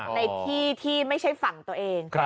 ในที่ที่ไม่ใช่ฝั่งตัวเอง